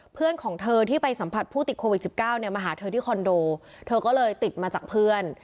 เพื่อนของเธอที่ไปสัมผัสผู้ติดโควิด๑๙เนี่ยมาหาเธอที่คอนโดเธอก็เลยติดมาจากเพื่อน